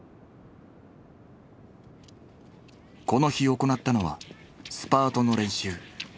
この日行ったのはスパートの練習。